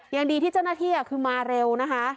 ยังดีที่เจ้าหน้าที่คือมาเร็วนะคะ